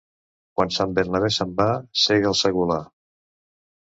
Quan Sant Bernabé se'n va, sega el segolar.